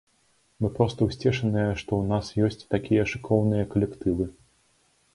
Мы проста ўсцешаныя, што ў нас ёсць такія шыкоўныя калектывы!